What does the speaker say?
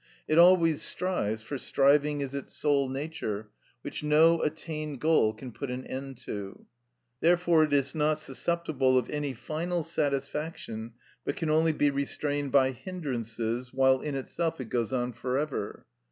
It always strives, for striving is its sole nature, which no attained goal can put an end to. Therefore it is not susceptible of any final satisfaction, but can only be restrained by hindrances, while in itself it goes on for ever.